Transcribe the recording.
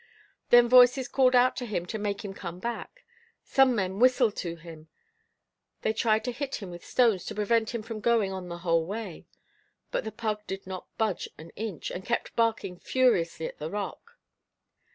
Then voices called out to him to make him come back; some men whistled to him; they tried to hit him with stones to prevent him from going on the whole way. But the pug did not budge an inch, and kept barking furiously at the rock.